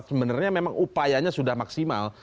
sebenarnya memang upayanya sudah maksimal